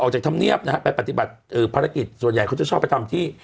จากธรรมเนียบนะฮะไปปฏิบัติภารกิจส่วนใหญ่เขาจะชอบไปทำที่